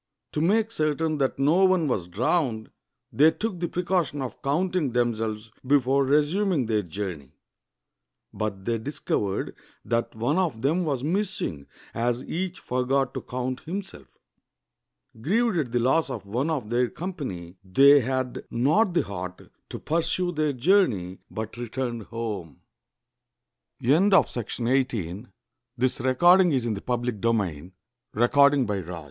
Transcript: To make certain that no one was drowned, they took the precaution of counting themselves before resuming their journey; but they discovered that one of them was miss ing, as each forgot to count himself. Grieved at the loss of one of their company, they had not the heart to pur sue their journey, but returned home. SOME INDIAN PROVERBS Self praise is no praise. The young crow is wiser than its moth